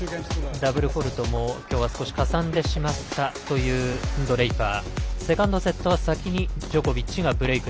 ダブルフォールトもきょうは少しかさんでしまったというドレイパー。